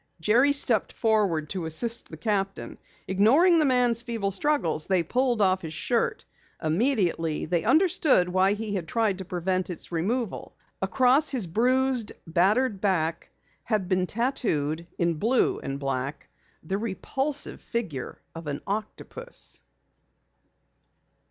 Jerry stepped forward to assist the captain. Ignoring the man's feeble struggles, they pulled off his shirt. Immediately they understood why he had tried to prevent its removal. Across his bruised, battered back had been tattooed in blue and black, the repulsive figure of an octopus.